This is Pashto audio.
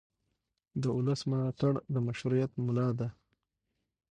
د ولس ملاتړ د مشروعیت ملا ده